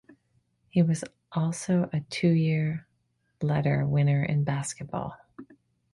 He was also a two-year letter winner in basketball.